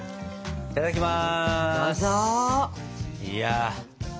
いただきます。